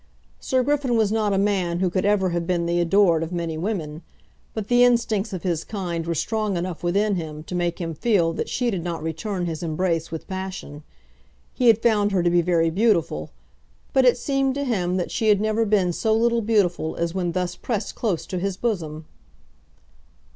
Sir Griffin was not a man who could ever have been the adored of many women, but the instincts of his kind were strong enough within him to make him feel that she did not return his embrace with passion. He had found her to be very beautiful; but it seemed to him that she had never been so little beautiful as when thus pressed close to his bosom.